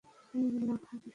মেনে নিলাম, আর কিছু?